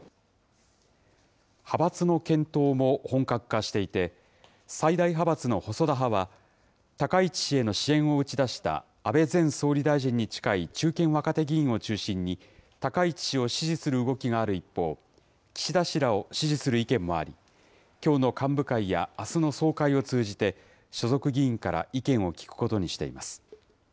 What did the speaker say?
派閥の検討も本格化していて、最大派閥の細田派は、高市氏への支援を打ち出した安倍前総理大臣に近い中堅・若手議員を中心に、高市氏を支持する動きがある一方、岸田氏らを支持する意見もあり、きょうの幹部会やあすの総会を通じて、所属議員から意見を聞くことにしています。